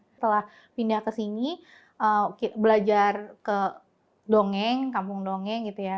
setelah pindah ke sini belajar ke dongeng kampung dongeng gitu ya